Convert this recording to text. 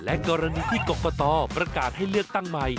กรณีที่กรกตประกาศให้เลือกตั้งใหม่